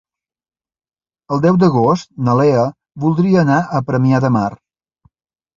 El deu d'agost na Lea voldria anar a Premià de Mar.